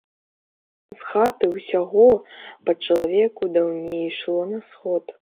З хаты ўсяго па чалавеку даўней ішло на сход.